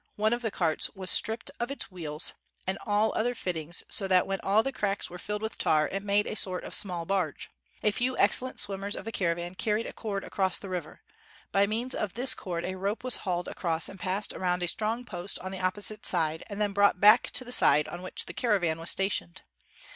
One of the carts was stripped of its wheels 64 ^4 JUNGLE ROADS AND OX CARTS and all other fittings so that when all the cracks were filled with tar, it made a sort of small barge. A few excellent swimmers of the caravan carried a cord across the river. By means of this cord a rope was hauled across and passed around a strong X3ost on the opposite side, and then brought back to the side on which the caravan was stationed.